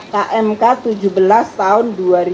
kmk tujuh belas tahun dua ribu dua